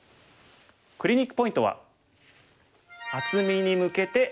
クリニックポイントは。